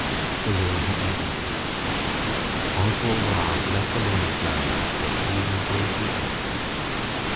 The room had been emptied. Enjolras, left alone with Marius, was gazing gravely at him.